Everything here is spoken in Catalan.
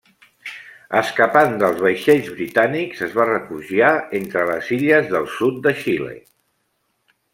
Escapant dels vaixells britànics es va refugiar entre les illes del sud de Xile.